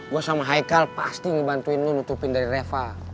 gue sama haikal pasti ngebantuin lu nutupin dari reva